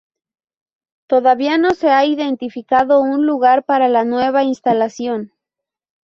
Todavía no se ha identificado un lugar para la nueva instalación.